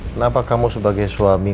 kenapa kamu sebagai suami